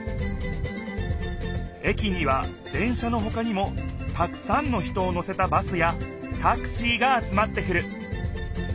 駅には電車のほかにもたくさんの人を乗せたバスやタクシーが集まってくる。